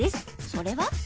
それは？